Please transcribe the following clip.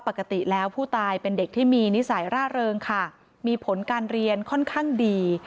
ปกติแล้วผู้ตายเป็นเด็กที่มีนิสัยร่าเริงค่ะมีผลการเรียนค่อนข้างดี